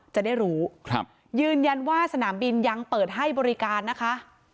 จะได้รู้ยืนยันว่าสนามบินยังเปิดให้บริการนะคะ